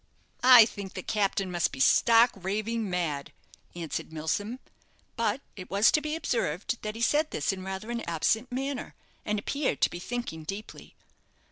"I think the captain must be stark staring mad," answered Milsom; but it was to be observed that he said this in rather an absent manner, and appeared to be thinking deeply.